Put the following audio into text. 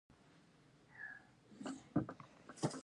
زه له تجربې زده کړه کوم.